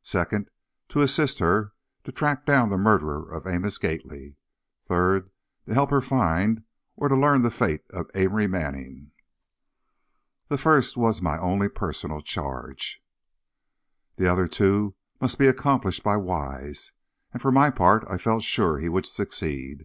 Second, to assist her to track down the murderer of Amos Gately. Third, to help her to find, or to learn the fate of Amory Manning. The first was my only personal charge. The other two must be accomplished by Wise, and for my part I felt sure he would succeed.